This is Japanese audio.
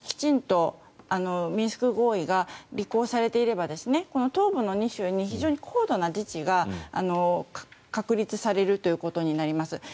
それに基づいて、きちんとミンスク合意が履行されていればこの東部の２州に非常に高度な自治が確立されるということになります。